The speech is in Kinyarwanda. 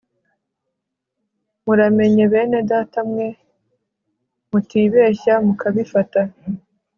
muramenye bene data mwe mutibeshya mukabifata